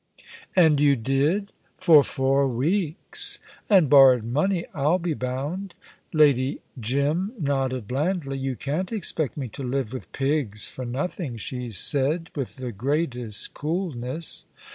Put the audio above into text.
"And you did?" "For four weeks." "And borrowed money, I'll be bound." Lady Jim nodded blandly. "You can't expect me to live with pigs for nothing," she said, with the greatest coolness.